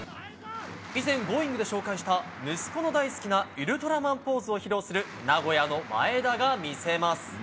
以前「Ｇｏｉｎｇ！」で紹介した息子の大好きなウルトラマンポーズを披露する名古屋の前田が見せます。